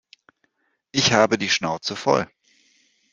Ich habe die Schnauze voll.